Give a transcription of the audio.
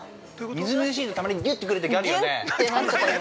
◆みずみずしいと、たまに、ぎゅっとくるときあるよね。